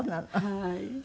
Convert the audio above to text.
はい。